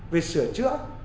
về sửa chữa